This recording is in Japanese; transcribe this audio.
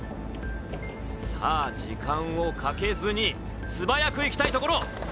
さあ、時間をかけずに素早くいきたいところ。